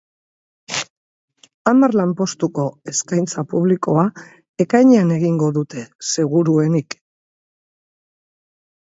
Hamar lanpostuko eskaintza publikoa ekainean egingo dute, seguruenik.